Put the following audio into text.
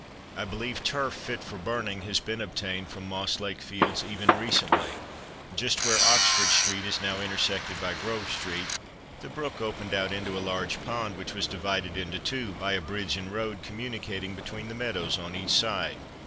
I believe turf, fit for burning, has been obtained from Moss Lake Fields even recently. Just where Oxford street is now intersected by Grove street, the brook opened out into a large pond, which was divided into two by a bridge and road communicating between the meadows on each side.